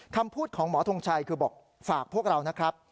คำพูดของหมอทงชัยคือบอกฝากพวกเรานะครับ